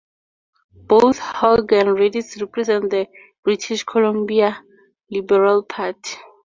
Both Hogg and Redies represent the British Columbia Liberal Party.